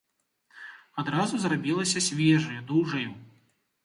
Адразу зрабілася свежаю, дужаю.